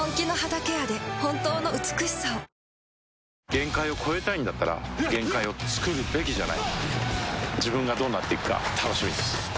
限界を越えたいんだったら限界をつくるべきじゃない自分がどうなっていくか楽しみです